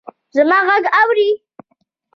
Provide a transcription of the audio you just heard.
زما ږغ اورې!